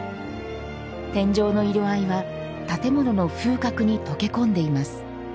天井の色合いは建物の風格に溶け込んでいます。